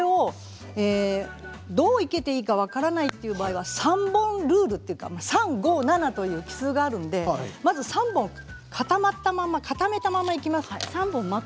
どう生けていいか分からないという場合は３本ルール３、５、７という奇数があるので３本固めたままいきます。